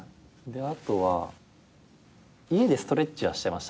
あとは家でストレッチはしてましたね。